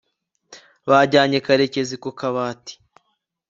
bajyanye karekezi ku kabati